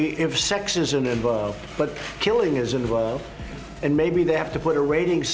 dan kemudian anda pergi ke langkah yang lebih jauh dan itu adalah film